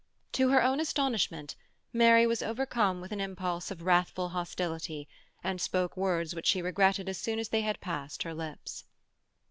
To her own astonishment, Mary was overcome with an impulse of wrathful hostility, and spoke words which she regretted as soon as they had passed her lips.